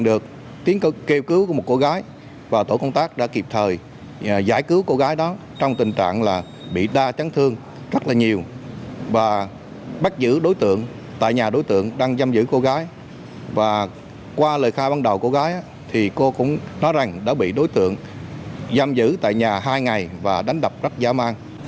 đã bị đối tượng giam giữ tại nhà hai ngày và đánh đập rất dã man